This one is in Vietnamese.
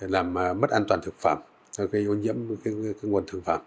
làm mất an toàn thực phẩm gây ô nhiễm nguồn thực phẩm